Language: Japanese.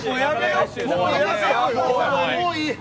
もういい。